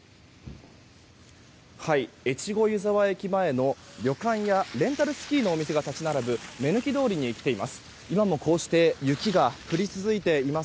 越後湯沢駅前の旅館やレンタルスキーのお店が立ち並ぶ目抜き通りに来ています。